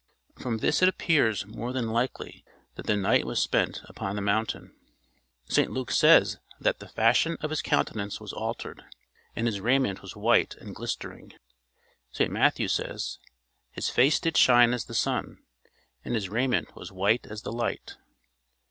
From this it appears more than likely that the night was spent upon the mountain. St Luke says that "the fashion of his countenance was altered, and his raiment was white and glistering." St Matthew says, "His face did shine as the sun, and his raiment was white as the light."